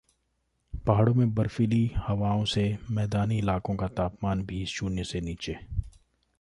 पहाड़ों में बर्फीली हवाओं से मैदानी इलाकों का तापमान भी शून्य से नीचे